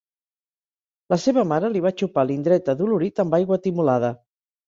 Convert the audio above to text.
La seva mare li va xopar l'indret adolorit amb aigua timolada.